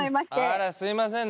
あらすみませんね。